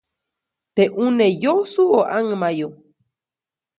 Teʼ ʼune ¿yosu o ʼaŋmayu?